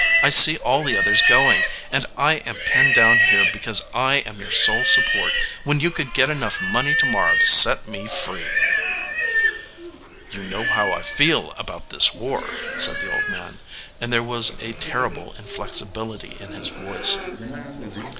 I see all the others going, and I am pinned down here because I am your sole support when you could get enough money to morrow to set me free," "You know how I feel about this war," said the old man, and there was a terrible inflexibility in his voice.